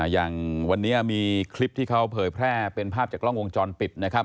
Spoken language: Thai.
อย่างวันนี้มีคลิปที่เขาเผยแพร่เป็นภาพจากกล้องวงจรปิดนะครับ